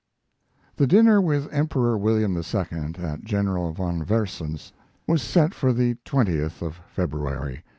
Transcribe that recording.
The dinner with Emperor William II. at General von Versen's was set for the 20th of February.